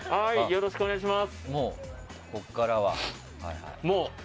よろしくお願いします。